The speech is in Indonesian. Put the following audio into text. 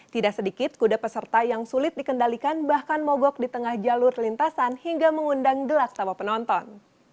tidak sedikit kuda peserta yang sulit dikendalikan bahkan mogok di tengah jalur lintasan hingga mengundang gelak sama penonton